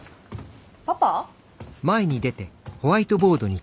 パパ？